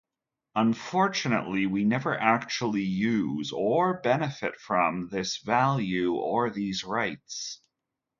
Unfortunately we never actually use or benefit from this value or these rights.